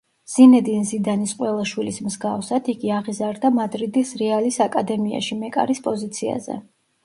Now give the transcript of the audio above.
ზინედინ ზიდანის ყველა შვილის მსგავსად იგი აღიზარდა „მადრიდის რეალის“ აკადემიაში, მეკარის პოზიციაზე.